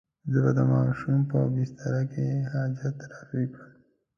زه به د ماشوم په بستره کې حاجت رفع کړم.